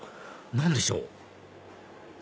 何でしょう？